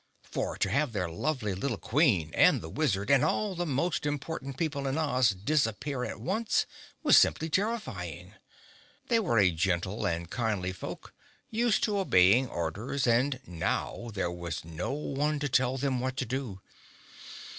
For to have their lovely little Queen and the Wizard and all the most important people in Oz disappear at once was simply terrifying. They were a gentle and kindly folk, used to obeying orders, and now there was no one to tell them what to do.